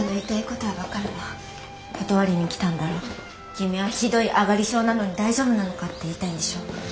君はひどいあがり性なのに大丈夫なのか」って言いたいんでしょう。